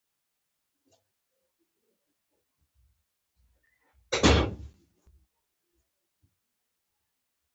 زه د استاد د لارښوونو سره سم عمل کوم.